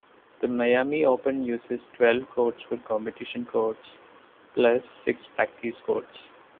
The Miami Open uses twelve courts for competition courts, plus six practice courts.